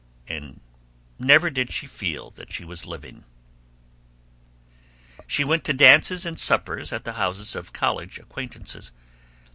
And never did she feel that she was living. She went to dances and suppers at the houses of college acquaintances.